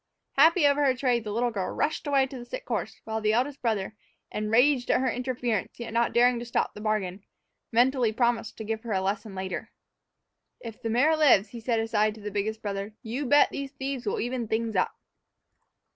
Happy over her trade, the little girl rushed away to the sick horse, while the eldest brother, enraged at her interference yet not daring to stop the bargain, mentally promised to give her a lesson later. "If the mare lives," he said aside to the biggest brother, "you bet these thieves'll even things up."